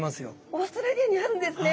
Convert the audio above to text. オーストラリアにあるんですね。